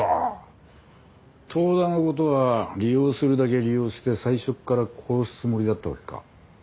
遠田の事は利用するだけ利用して最初から殺すつもりだったわけか。